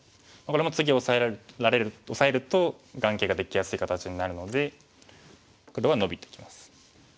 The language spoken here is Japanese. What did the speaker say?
これも次オサえると眼形ができやすい形になるので黒はノビてきます。